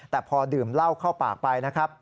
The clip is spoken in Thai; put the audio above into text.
แต่พอดื่มเหล้าเข้าปากไปนะครับ